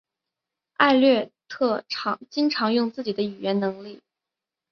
艾略特经常用自己的语言能力。